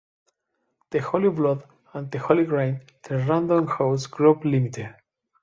The Holy Blood and the Holy Grail, The Random House Group Limited.